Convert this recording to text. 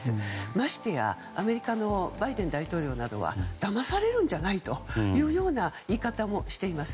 ましてや、アメリカのバイデン大統領なでどはだまされるんじゃないという言い方もしています。